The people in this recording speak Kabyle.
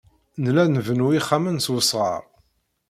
Nella nbennu ixxamen s wesɣar.